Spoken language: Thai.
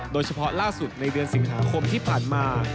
โดยเฉพาะล่าสุดในเดือนสิงหาคมที่ผ่านมา